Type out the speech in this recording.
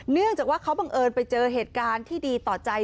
เนื่องจากว่าเขาบังเอิญไปเจอเหตุการณ์ที่ดีต่อใจ